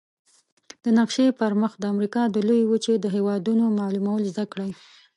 د نقشي پر مخ د امریکا د لویې وچې د هېوادونو معلومول زده کړئ.